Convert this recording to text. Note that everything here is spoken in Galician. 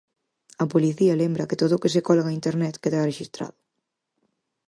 A Policía lembra que todo o que se colga en Internet queda rexistrado.